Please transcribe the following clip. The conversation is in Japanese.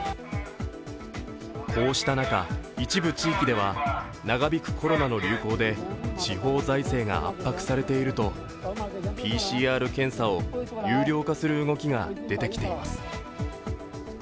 こうした中、一部地域では長引くコロナの影響で地方財政が圧迫されているとＰＣＲ検査を有料化する動きが出てきています。